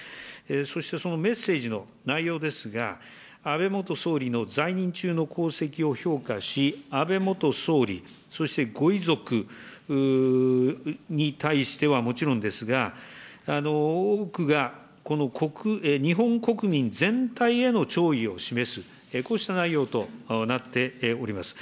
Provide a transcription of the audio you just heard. そして、そのメッセージの内容ですが、安倍元総理の在任中の功績を評価し、安倍元総理、そしてご遺族に対してはもちろんですが、多くがこの日本国民全体への弔意を示す、こうした内容となっております。